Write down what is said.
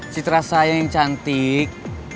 citra sayang yang cantik